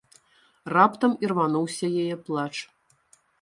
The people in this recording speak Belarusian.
Раптам ірвануўся яе плач.